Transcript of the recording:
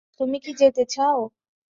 তুমি কি যেতে চাও?